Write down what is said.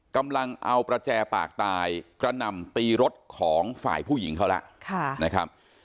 กำลังเอาประแจปากตายกระหน่ำตีรถของฝ่ายผู้หญิงเขาแล้วนะครับ